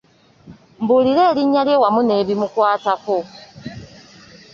Mbuulira erinnya lye wamu n'ebimukwatako.